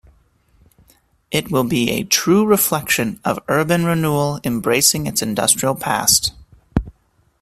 It will be a true reflection of urban renewal embracing its industrial past.